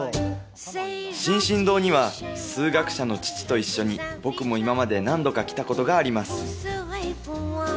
進々堂には数学者の父と一緒に僕も今まで何度か来たことがあります